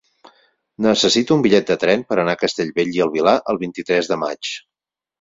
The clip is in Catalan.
Necessito un bitllet de tren per anar a Castellbell i el Vilar el vint-i-tres de maig.